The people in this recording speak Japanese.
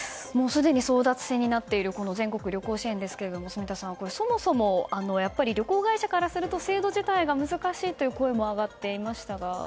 すでに争奪戦になっている全国旅行支援ですけども住田さん、そもそもやっぱり旅行会社からすると制度自体が難しいという声も上がっていましたが。